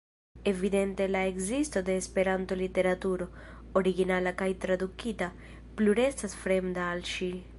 Evidente la ekzisto de Esperanto-literaturo, originala kaj tradukita, plu restas fremda al ŝi.